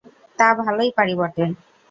তা ভালোই পারি বটে।